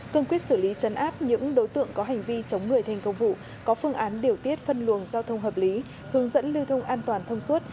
cương quyết xử lý chấn áp những đối tượng có hành vi chống người thành công vụ có phương án điều tiết phân luồng giao thông hợp lý hướng dẫn lưu thông an toàn thông suốt